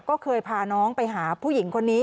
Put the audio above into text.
ก็เคยพาน้องไปหาผู้หญิงคนนี้